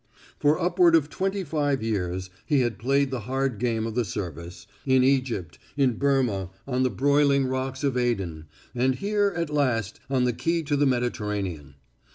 For upward of twenty five years he had played the hard game of the service in Egypt, in Burma, on the broiling rocks of Aden, and here, at last, on the key to the Mediterranean.